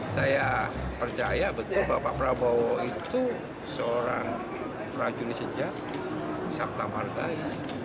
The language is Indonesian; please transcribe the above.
saya percaya betul bapak prabowo itu seorang prajuni sejak sabta pantai